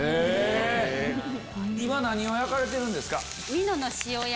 今何を焼かれてるんですか？